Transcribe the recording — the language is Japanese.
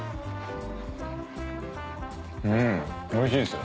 うんおいしいです。